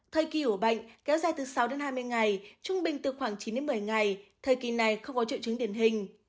thời kỳ ủ bệnh kéo dài từ sáu đến hai mươi ngày trung bình từ khoảng chín đến một mươi ngày thời kỳ này không có triệu chứng điển hình